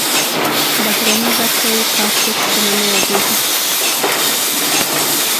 بهرنۍ برخه یې کارتکس په نامه یادیږي.